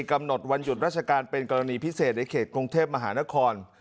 กำหนดวันหยุดราชการเป็นกรณีพิเศษในเขตกรุงเทพมหานคร